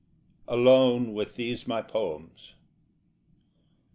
_Alone with these my poems...